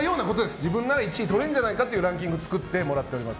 自分が１位とれるんじゃないかというランキングを作ってもらっています。